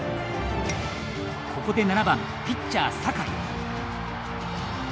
ここで７番・ピッチャー酒井。